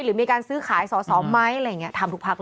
หรือมีการซื้อขายสอสอไหมอะไรอย่างนี้ทำทุกพักเลย